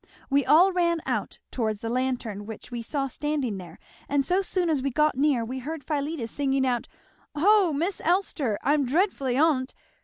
We all ran out, towards the lantern which we saw standing there, and so soon as we got near we heard Philetus singing out, 'Ho, Miss Elster! I'm dreadfully on't!'